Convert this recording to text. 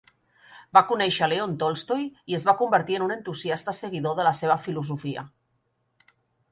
Va conèixer León Tolstoi i es va convertir en un entusiasta seguidor de la seva filosofia.